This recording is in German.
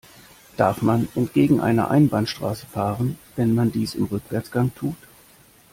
Darf man entgegen einer Einbahnstraße fahren, wenn man dies im Rückwärtsgang tut?